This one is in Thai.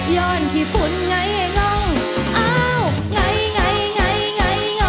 ย้อนที่ฝุ่นไงงอ้าวไงไง